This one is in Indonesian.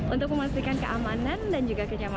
untuk memastikan keamanan dan juga kenyamanan